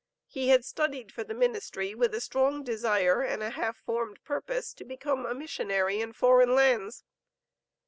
He had studied for the ministry with a strong desire, and a half formed purpose to become a missionary in foreign lands.